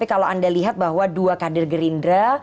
kalau anda lihat bahwa dua kader gerindra